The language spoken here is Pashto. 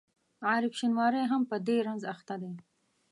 عارف شینواری هم په دې رنځ اخته دی.